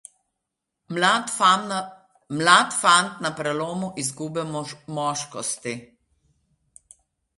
Mlad fant na prelomu izgube moškosti.